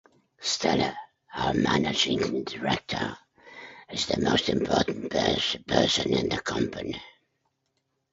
Stella, our Managing Director, is the most important person in the company.